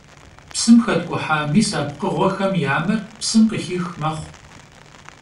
Psım xetk'uha mis a pkhığuexem ya mer psım khıxix mexhu.